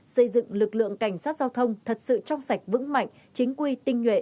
xây dựng lực lượng cảnh sát giao thông thật sự trong sạch vững mạnh chính quy tinh nhuệ